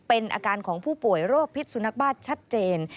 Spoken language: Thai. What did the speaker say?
เป็นอาการของผู้ป่วยโรคพิษสุนักบ้าชัดเจน